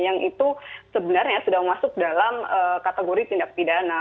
yang itu sebenarnya sudah masuk dalam kategori tindak pidana